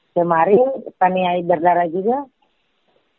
kemarin taniyai berdarah itu tidak bersalah